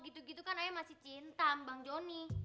gitu gitu kan ayah masih cinta bang joni